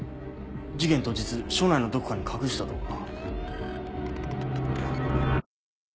事件当日署内のどこかに隠したとか。